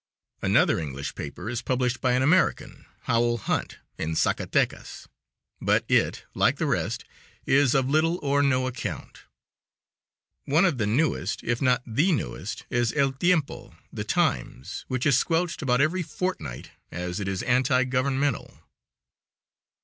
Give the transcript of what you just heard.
Another English paper is published by an American, Howell Hunt, in Zacatecas, but it, like the rest, is of little or no account. One of the newsiest, if not the newsiest, is El Tiempo (the Times), which is squelched about every fortnight, as it is anti governmental.